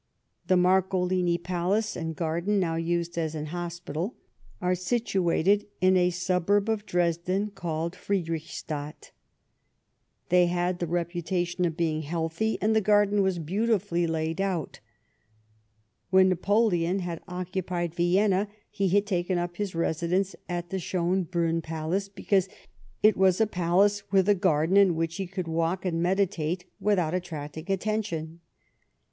The Marcolini palace and garden, now used as an hospital, are situated in a suburb of Dresden called Friedrichstadt. They had the reputation of being healthy, and the garden was beautifully laid out. \Mien Kapoleon had occu])ied \"ienna he had taken up his residence at the Schonbriinn palace, because it was a palace with a garden, in which he could walk and meditate without attracting attention.